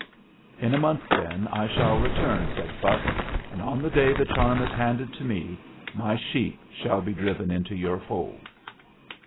"In a month, then, I shall return," said Phutt ; "and on the day the charm is handed to me my sheep shall be driven into your fold."